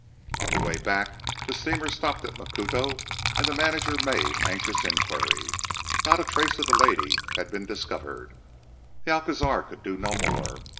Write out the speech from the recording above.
On the way back the steamer stopped at Macuto and the manager made anxious inquiry. Not a trace of the lady had been discovered. The Alcazar could do no more.